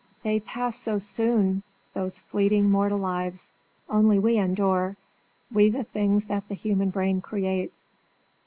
They pass so soon those fleeting mortal lives! Only we endure we the things that the human brain creates.